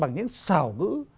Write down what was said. bằng những xảo ngữ